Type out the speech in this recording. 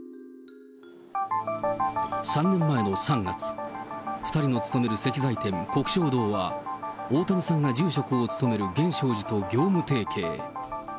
３年前の３月、２人の勤める石材店、鵠祥堂は、大谷さんが住職を務める源証寺と業務提携。